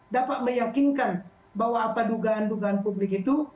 dapat meyakinkan bahwa apa dugaan dugaan publik itu